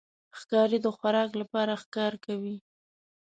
ښکاري د خوراک لپاره ښکار کوي.